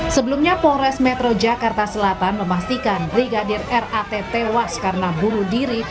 sebelumnya polres metro jakarta selatan memastikan brigadir rat tewas karena bunuh diri